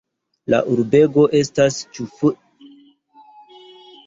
La urbego estas ĉefurbo de la kantono.